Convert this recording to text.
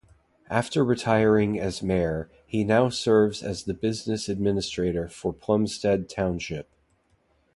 After retiring as mayor, he now serves as the business administrator for Plumsted Township.